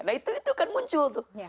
nah itu kan muncul tuh